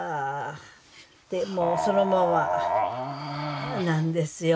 でもうそのままなんですよ。